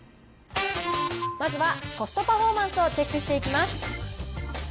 まずはコストパフォーマンスをチェックしていきます。